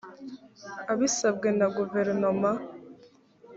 abisabwe na guverinoma